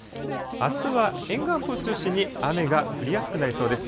あすは沿岸部を中心に雨が降りやすくなりそうです。